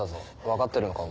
分かってるのか？